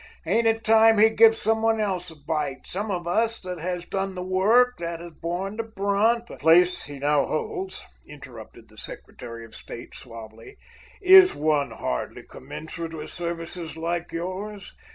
Ain't it time he give some one else a bite? Some of us that has, done the work, that has borne the brunt——" "This place he now holds," interrupted the Secretary of State suavely, "is one hardly commensurate with services like yours.